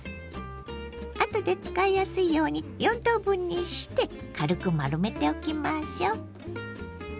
あとで使いやすいように４等分にして軽く丸めておきましょう。